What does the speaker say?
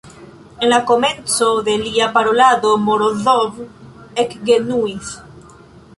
En la komenco de lia parolado Morozov ekgenuis.